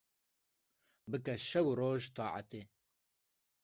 Bike şev û roj taetê